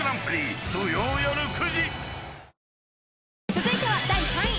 ［続いては第３位。